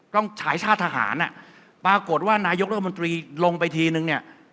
ฉายชาติทหารอ่ะปรากฏว่านายกรัฐมนตรีลงไปทีนึงเนี่ย